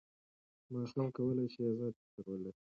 ماشوم کولی سي ازاد فکر ولري.